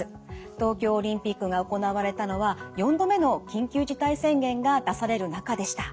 東京オリンピックが行われたのは４度目の緊急事態宣言が出される中でした。